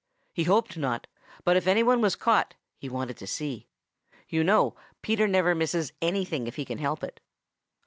He hoped not, but if any one was caught, he wanted to see. You know Peter never misses anything if he can help it.